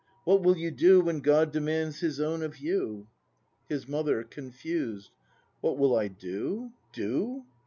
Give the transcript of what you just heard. What will you do When God demands His own of you ? His Mother. [Confused.] What will I do? Do?